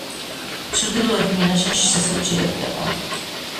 ჩრდილოეთ მინაშენში შესასვლელი ჩრდილოეთიდანაა.